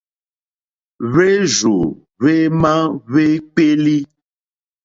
Hwérzù hwémá hwékpélí.